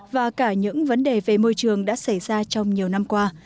và cả những vấn đề về môi trường đã xảy ra trong nhiều năm qua